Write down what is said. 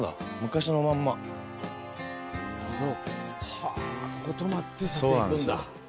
はぁここ泊まって撮影行くんだ。